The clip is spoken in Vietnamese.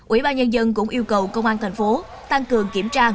ủy ban nhân dân cũng yêu cầu công an thành phố tăng cường kiểm tra